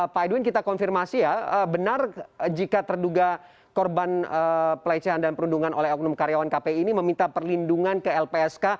pak edwin kita konfirmasi ya benar jika terduga korban pelecehan dan perundungan oleh oknum karyawan kpi ini meminta perlindungan ke lpsk